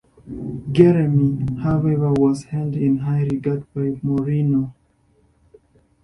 Geremi, however, was held in high regard by Mourinho.